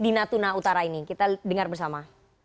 di natuna utara ini kita dengar bersama